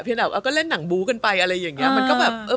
เพียงแบบเราก็เล่นหนังบูกกันไปอะไรอย่างนี้